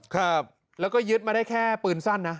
ครับแล้วก็ยึดมาได้แค่ปืนสั้นนะ